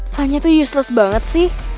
kayaknya tuh useless banget sih